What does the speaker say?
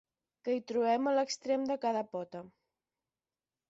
Què hi trobem a l'extrem de cada pota?